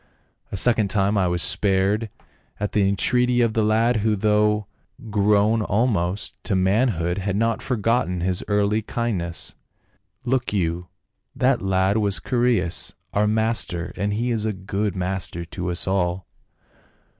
A second time I was spared at the entreaty of the lad, who though grown almost to manhood had not forgotten his early kindness. Look you, that lad was Chaereas, our master, and he is a good master to us all."